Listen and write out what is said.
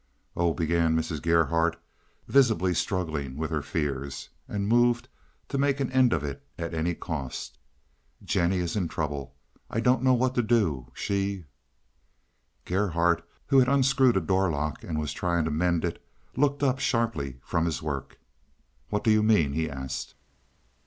"Oh," began Mrs. Gerhardt, visibly struggling with her fears, and moved to make an end of it at any cost, "Jennie is in trouble. I don't know what to do. She—" Gerhardt, who had unscrewed a door lock and was trying to mend it, looked up sharply from his work. "What do you mean?" he asked.